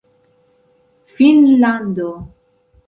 finnlando